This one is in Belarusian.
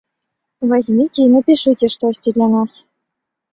Вазьміце і напішыце штосьці для нас!